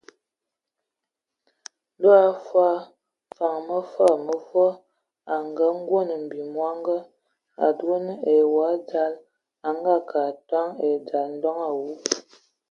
Ndɔ hm fɔɔ Mfad mevom a nganguan mbim mɔngɔ, a dugan ai wɔ a dzal, a ngeakə a atoŋ eza ndoŋ awu.